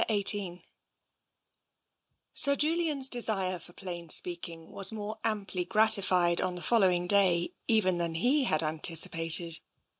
XVIII Sir Julian's desire for plain speaking was more amply gratified on the following day even than he had anticipated.